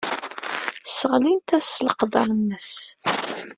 Sseɣlint-as s leqder-nnes.